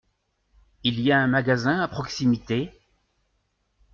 Il y a un magasin à proximité ?